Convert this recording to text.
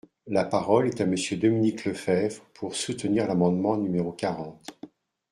La parole est à Monsieur Dominique Lefebvre, pour soutenir l’amendement numéro quarante.